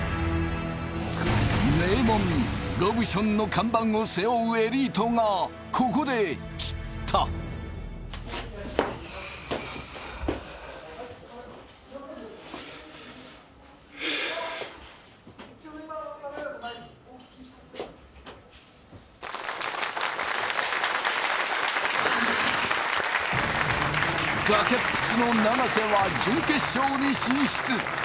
名門ロブションの看板を背負うエリートがここで散ったはあ崖っぷちの長瀬は準決勝に進出